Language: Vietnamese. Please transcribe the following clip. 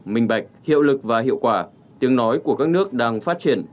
minh bạch hiệu lực và hiệu quả tiếng nói của các nước đang phát triển